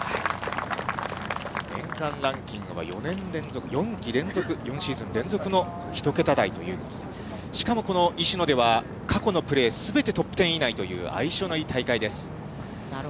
年間ランキングは４季連続、４シーズン連続の１桁台ということで、しかもこの石野では、過去のプレーすべてトップ１０以内という、相性のいい大会です。